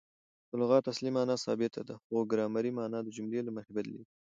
د لغت اصلي مانا ثابته ده؛ خو ګرامري مانا د جملې له مخه بدلیږي.